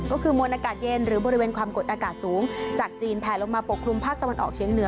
ก็คือมวลอากาศเย็นหรือบริเวณความกดอากาศสูงจากจีนแผลลงมาปกคลุมภาคตะวันออกเชียงเหนือ